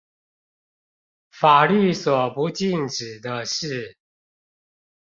法律所不禁止的事